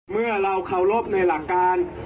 เมื่อเราเคารพในหลักการ